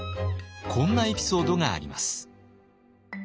こんなエピソードがあります。